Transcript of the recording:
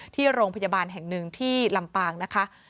ที่โรงพยาบาลแห่งหนึ่งที่ลำปางนะคะ